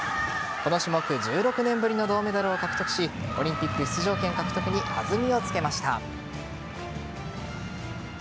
この種目１６年ぶりの銅メダルを獲得しオリンピック出場権獲得に弾みをつけました。